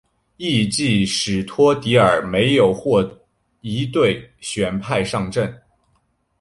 翌季史托迪尔没有获一队选派上阵。